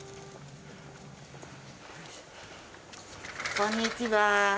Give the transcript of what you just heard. こんにちは。